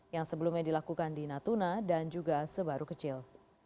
yang sebelumnya dilakukan di natuna dan juga sebaru kecil